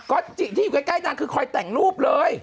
ก็จิที่อยู่ใกล้นางคือคอยแต่งรูปเลย